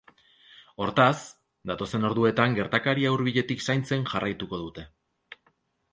Hortaz, datozen orduetan gertakaria hurbiletik zaintzen jarraituko dute.